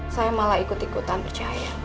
saya malah ikut ikutan percaya